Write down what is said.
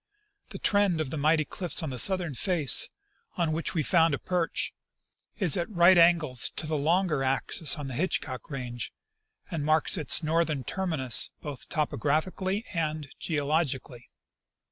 The trend of the mighty cliffs on the southern face, on Avhich we have found a perch, is at right angles to the longer axis of the Hitchcock range, and marks its northern terminus both topographically and geologically.